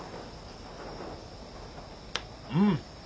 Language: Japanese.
うん！